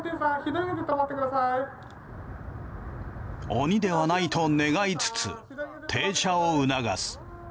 鬼ではないと願いつつ停車を促す。